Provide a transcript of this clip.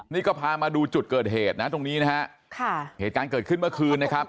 นี่ก็พามาดูจุดเกิดเหตุนะตรงนี้นะฮะค่ะเหตุการณ์เกิดขึ้นเมื่อคืนนะครับ